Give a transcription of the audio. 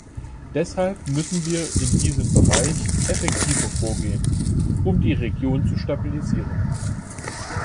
Deshalb müssen wir in diesem Bereich effektiver vorgehen, um die Region zu stabilisieren.